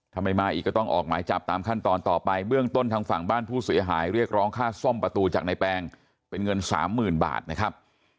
ถ้าไม่มาอีกก็ต้องออกหมายจับตามขั้นตอนต่อไปเบื้องต้นทางฝั่งบ้านผู้เสียหายเรียกร้องค่าซ่อมประตูจากในแปลงเป็นเงินสามหมื่นบาทนะครับ